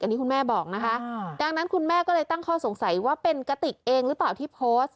อันนี้คุณแม่บอกนะคะดังนั้นคุณแม่ก็เลยตั้งข้อสงสัยว่าเป็นกติกเองหรือเปล่าที่โพสต์